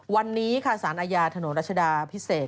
วันนี้ค่ะสารอาญาถนนรัชดาพิเศษ